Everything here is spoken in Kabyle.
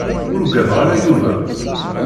Ur uggadeɣ ara Yuba.